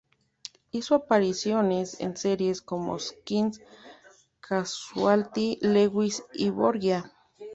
Hizo apariciones en series como "Skins", "Casualty", "Lewis" y "Borgia".